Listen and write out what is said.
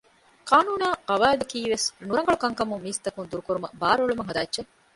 ޤާނޫނާއި ޤަވާއިދަކީ ވެސް ނުރަނގަޅު ކަންކަމުން މީސްތަކުން ދުރުކުރުމަށް ބާރުއެޅުމަށް ހަދާ އެއްޗެއް